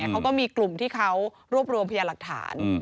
เขาก็มีกลุ่มที่เขารวบรวมพยาหลักฐาน